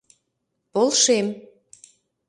Полшем.